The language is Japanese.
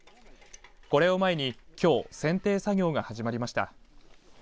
これを前にきょうせんてい作業が始まりました。